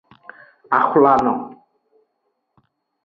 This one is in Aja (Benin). Axwlano.